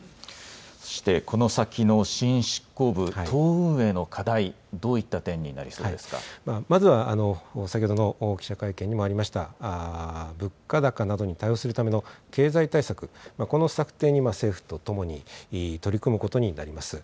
そしてこの先の新執行部、党運営の課題、どういった点になりまずは先ほどの記者会見にもありました、物価高などに対応するための経済対策、この策定に政府とともに取り組むことになります。